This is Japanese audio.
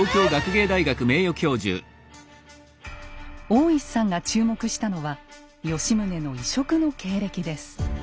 大石さんが注目したのは吉宗の異色の経歴です。